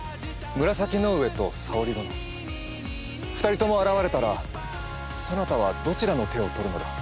紫の上と沙織殿２人とも現れたらそなたはどちらの手を取るのだ。